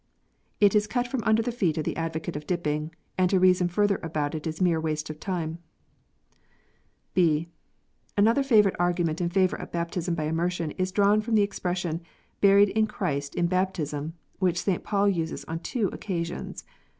It is cut from under the feet of the advocate of " dipping," and to reason further about it is mere waste of time, (b) Another favourite argument in favour of baptism by immersion is drawn from the expression "buried with Christ in baptism," which St. Paul uses on two occasions.